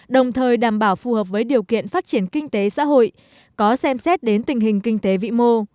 đồng thời đảm bảo phù hợp với điều kiện phát triển kinh tế xã hội có xem xét đến tình hình kinh tế vĩ mô